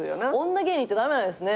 「女芸人」って駄目なんすね。